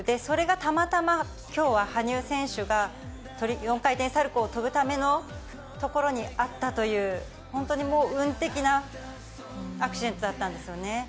それが、たまたまきょうは羽生選手が４回転サルコーを跳ぶための所にあったという、本当にもう、運的なアクシデントだったんですよね。